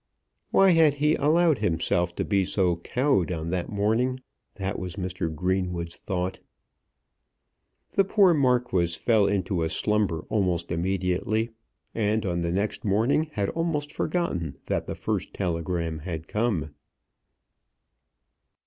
Why had he allowed himself to be so cowed on that morning? That was Mr. Greenwood's thought. The poor Marquis fell into a slumber almost immediately, and on the next morning had almost forgotten that the first telegram had come.